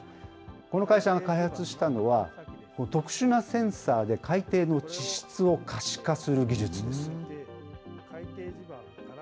この会社が開発したのは、特殊なセンサーで海底の地質を可視化する技術です。